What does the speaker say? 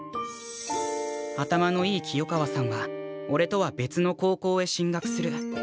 頭のいい清川さんはおれとは別の高校へ進学する。